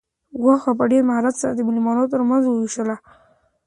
غوښه په ډېر مهارت سره د مېلمنو تر منځ وویشل شوه.